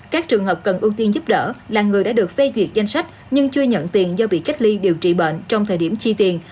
các trường hợp cần ưu tiên giúp đỡ là người đã được phê duyệt danh sách nhưng chưa nhận tiền do bị cách ly điều trị bệnh trong thời điểm chi tiền